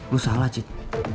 lo salah cid